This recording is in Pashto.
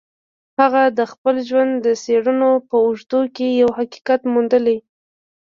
هغه د خپل ژوند د څېړنو په اوږدو کې يو حقيقت موندلی.